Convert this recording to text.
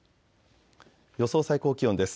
予想最高気温です。